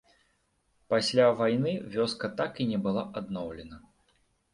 Пасля вайны вёска так і не была адноўлена.